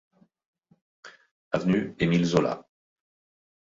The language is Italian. Avenue Émile Zola